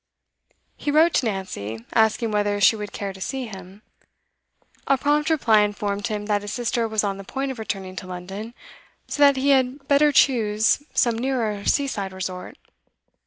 He wrote to Nancy, asking whether she would care to see him. A prompt reply informed him that his sister was on the point of returning to London, so that he had better choose some nearer seaside resort.